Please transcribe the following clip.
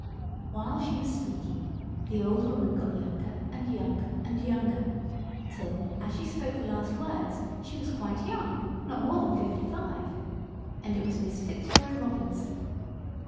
While she was speaking the old woman got younger and younger and younger, till as she spoke the last words she was quite young, not more than fifty five. And it was Miss Fitzroy Robinson!